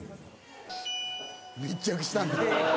密着したんだ。